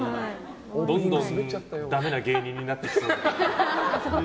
どんどんダメな芸人になっていきそう。